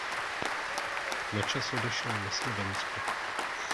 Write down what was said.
Na čas odešel na Slovensko.